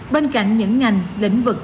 bên cạnh những ngành lĩnh vực thủy sản